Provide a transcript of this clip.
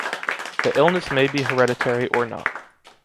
The illness may be hereditary or not.